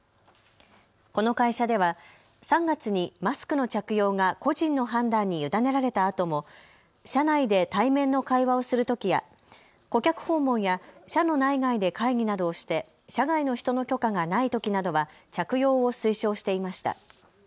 この会社では３月にマスクの着用が個人の判断に委ねられたあとも社内で対面の会話をするときや顧客訪問や社の内外で会議などをして社外の人の許可がないときなどは着用を推奨していました。